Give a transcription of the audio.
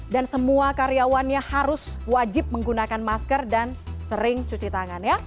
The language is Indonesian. dan semua karyawannya harus wajib menggunakan masker dan sering cuci tangan ya